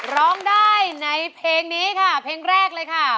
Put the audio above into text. ร้องได้ในเพลงนี้ค่ะเพลงแรกเลยค่ะ